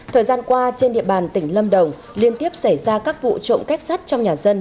thời gian qua trên địa bàn tỉnh lâm đồng liên tiếp xảy ra các vụ trộm kết sắt trong nhà dân